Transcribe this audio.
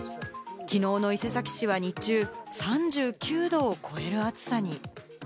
きのうの伊勢崎市は日中、３９度を超える暑さに。